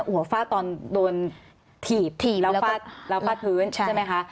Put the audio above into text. หัวฝ้าตอนโดนถีบแล้วฝ้าพื้นใช่ไหมคะ